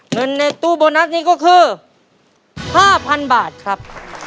เงินในตู้โบนัสนี้ก็คือ๕๐๐๐บาทครับ